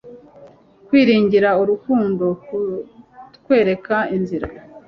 kwiringira urukundo kutwereka inzira